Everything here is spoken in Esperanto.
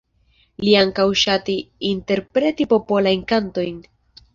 Li ankaŭ ŝatis interpreti popolajn kantojn.